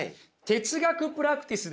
哲学プラクティス？